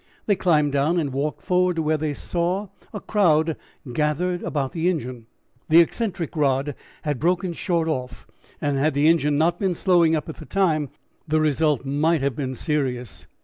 They climbed down and walked forward to where they saw a crowd gathered about the engine. The eccentric rod had broken short off, and had the engine not been slowing up at the time, the result might have been serious.